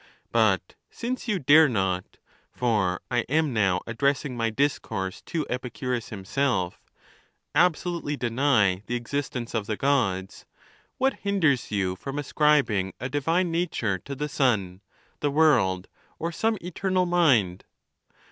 But since you dare not (for I am now addressing my discourse to Epicurus himself) absolutely deny the exist ence of the Gods, what hinders you from ascribing a di vine nature to the sun, the world, or some eternal mind